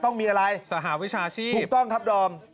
ต้องมีอะไรสหวิชาชีพถูกต้องครับดอม